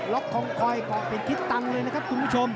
ล็อกทองคอยปอกเป็นคิดตันเลยนะครับคุณผู้ชม